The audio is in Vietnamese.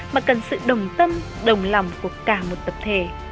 mà cần sự đồng tâm đồng lòng của cả một tập thể